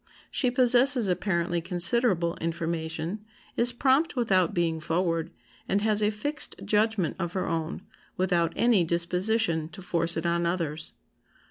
She possesses apparently considerable information, is prompt without being forward, and has a fixed judgment of her own, without any disposition to force it on others.